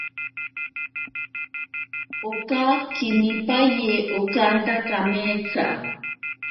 Oka kemipaye okanta kametsa.